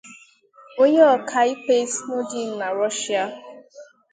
Onye ọkaikpe Snowden na Rushịa